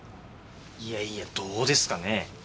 いやいやどうですかね？